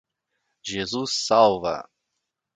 Jesus salva!